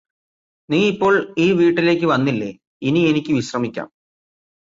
നീയിപ്പോൾ ഈ വീട്ടിലേക്ക് വന്നില്ലേ ഇനിയെനിക്ക് വിശ്രമിക്കാം